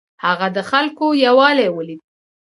هغه د خلکو یووالی ولید.